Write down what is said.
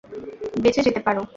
বেঁচে যেতে পারো!